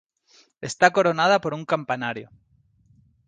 Está coronada por un campanario.